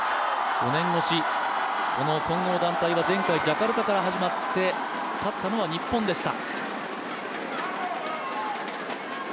５年越し、この混合団体は前回ジャカルタから始まって勝ったのは日本でした。